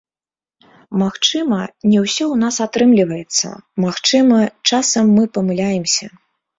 Магчыма, не ўсё ў нас атрымліваецца, магчыма, часам мы памыляемся.